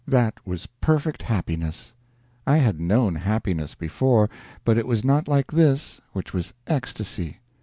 That was perfect happiness; I had known happiness before, but it was not like this, which was ecstasy.